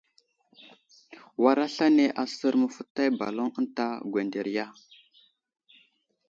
War aslane aser məfətay baloŋ ənta gwənderiya.